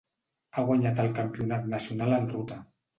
Ha guanyat el campionat nacional en ruta.